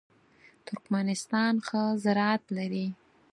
ترکمنستان ښه زراعت لري.